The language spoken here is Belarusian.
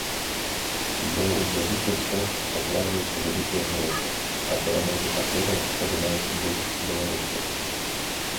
Бо ў вялікі спорт укладваюцца вялікія грошы, а перамогі атлетаў падымаюць дух беларусаў.